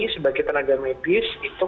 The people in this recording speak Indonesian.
sebagai tenaga medis itu